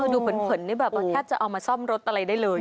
ดูเหนมพี่แบบแค่จะเอามาซ่อมรสอะไรได้เลย